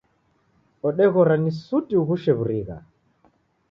Odeghora ni suti ughushe wurigha.